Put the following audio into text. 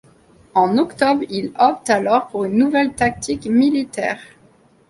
En octobre, il opte alors pour une nouvelle tactique militaire.